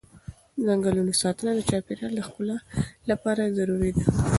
د ځنګلونو ساتنه د چاپېر یال د ښکلا لپاره ضروري ده.